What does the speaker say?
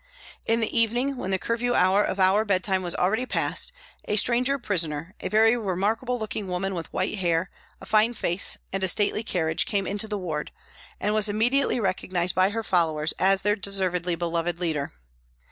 In the evening, when the curfew hour of our bedtime was already past, a stranger prisoner, a very remarkable looking woman with white hair, a fine face, and stately carriage came into the ward, and was immediately recognised by her followers as their deservedly beloved leader.